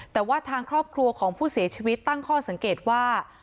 แต่ว่าทางครอบครัวของผู้เสียชีวิตตั้งข้อสังเกตว่า